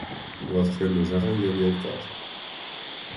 Ոտքերն ուժեղ են և երկար։